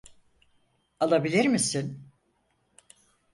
Alabilir misin?